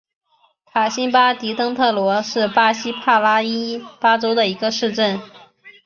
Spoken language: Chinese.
卡辛巴迪登特罗是巴西帕拉伊巴州的一个市镇。